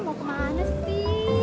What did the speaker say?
ih mau kemana sih